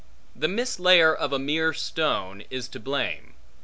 The mislayer of a mere stone is to blame.